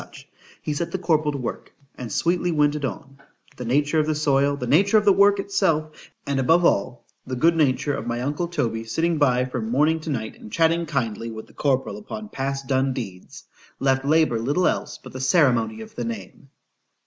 —he set the corporal to work——and sweetly went it on:——The nature of the soil,—the nature of the work itself,—and above all, the good nature of my uncle Toby sitting by from morning to night, and chatting kindly with the corporal upon past done deeds,—left LABOUR little else but the ceremony of the name.